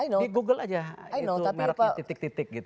di google aja itu mereknya titik titik gitu